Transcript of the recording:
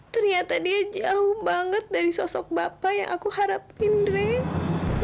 ternyata dia jauh banget dari sosok bapak yang aku harapin dream